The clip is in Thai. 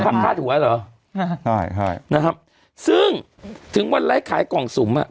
พระพระถูกไว้เหรอใช่ใช่นะครับซึ่งถึงวันไร้ขายกล่องสุมอ่ะ